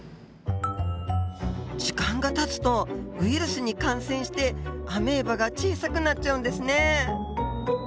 時間がたつとウイルスに感染してアメーバが小さくなっちゃうんですね。